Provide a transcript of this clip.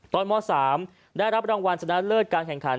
ม๓ได้รับรางวัลชนะเลิศการแข่งขัน